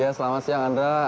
ya selamat siang andra